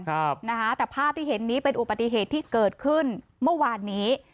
ครับนะคะแต่ภาพที่เห็นนี้เป็นอุบัติเหตุที่เกิดขึ้นเมื่อวานนี้